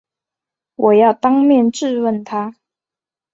我要当面质问他